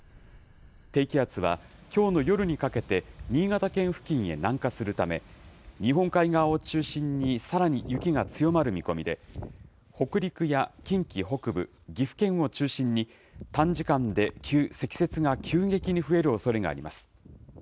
低気圧はきょうの夜にかけて、新潟県付近へ南下するため、日本海側を中心に、さらに雪が強まる見込みで、北陸や近畿北部、岐阜県を中心に、短時間で積雪が急激に増えるおそれがあります。